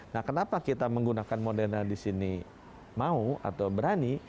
nah kenapa kita menggunakan moderna disini mau atau berani